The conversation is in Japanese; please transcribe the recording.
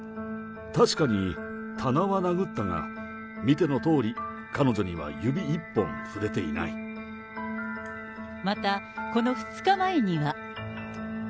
確かに棚は殴ったが、見てのとおり、彼女には指一本触れていまた、この２日前には。